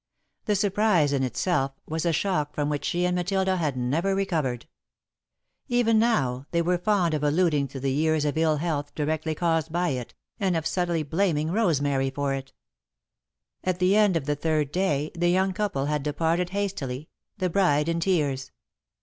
The surprise, in itself, was a shock from which she and Matilda had never recovered. Even now, they were fond of alluding to the years of ill health directly caused by it, and of subtly blaming Rosemary for it. [Sidenote: An Orphan] At the end of the third day, the young couple had departed hastily, the bride in tears.